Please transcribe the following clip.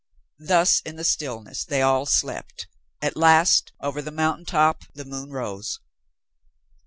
Thus in the stillness they all slept; at last, over the mountain top the moon rose.